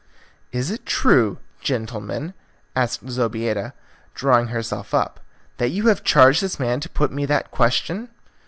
"Is it true, gentlemen," asked Zobeida, drawing herself up, "that you have charged this man to put me that question?"